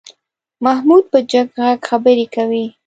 محمود په جګ غږ خبرې کوي.